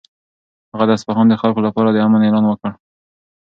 هغه د اصفهان د خلکو لپاره د امن اعلان وکړ.